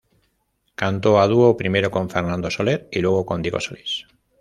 Cantó a dúo primero con Fernando Soler y luego con Diego Solís.